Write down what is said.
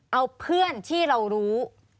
เอาเพื่อนที่เรารู้